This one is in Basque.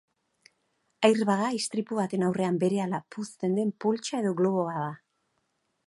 Airbag-a istripu baten aurrean berehala puzten den poltsa edo globo bat da.